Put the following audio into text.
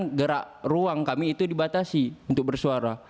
karena gerak ruang kami itu dibatasi untuk bersuara